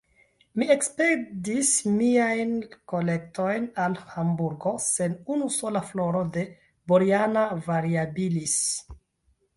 Mi ekspedis miajn kolektojn al Hamburgo, sen unu sola floro de Boriana variabilis.